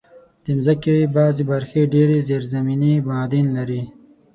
د مځکې بعضي برخې ډېر زېرزمینې معادن لري.